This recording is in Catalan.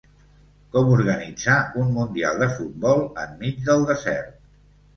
Com organitzar un mundial de futbol enmig del desert.